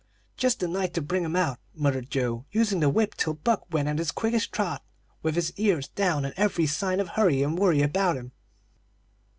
"'Just the night to bring 'em out,' muttered Joe, using the whip till Buck went at his quickest trot, with his ears down and every sign of hurry and worry about him.